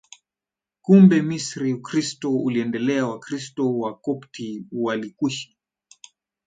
Kumbe Misri Ukristo uliendelea Wakristo Wakopti walikwisha